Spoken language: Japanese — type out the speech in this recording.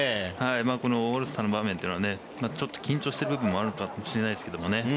このオールスターの場面というのはちょっと緊張している部分もあるかもしれないですけど